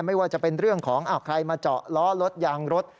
ไม่ว่าจะเป็นเรื่องของใครมาเจาะล้อรถยางรถ